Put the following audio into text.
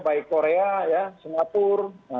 baik korea singapura